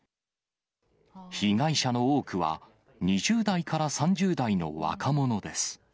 被害者の多くは、２０代から３０代の若者です。